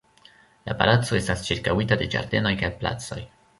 La palaco estas ĉirkaŭita de ĝardenoj kaj placoj.